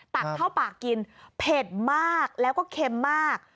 ตักเข้าปากกินเผ็ดมากแล้วก็เค็มมาก